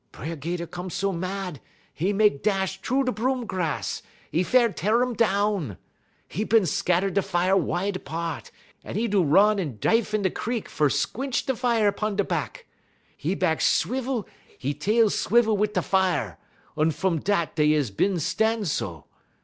"B'er 'Gater come so mad, 'e mek dash troo da' broom grass; 'e fair teer um down. 'E bin scatter da' fier wide 'part, un 'e do run un dife in da' crik fer squinch da' fier 'pon 'e bahk. 'E bahk swivel, 'e tail swivel wit' da' fier, un fum dat dey is bin stan' so.